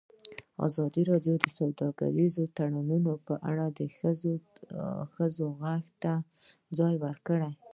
ازادي راډیو د سوداګریز تړونونه په اړه د ښځو غږ ته ځای ورکړی.